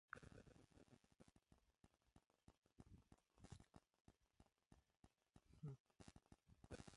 Armenia was recognized as an established state by the signed parties.